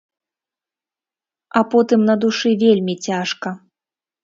А потым на душы вельмі цяжка.